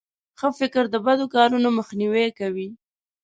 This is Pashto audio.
ښه فکر د بدو کارونو مخنیوی کوي.